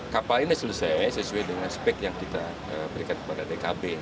kapal ini selesai sesuai dengan spek yang kita berikan kepada tkp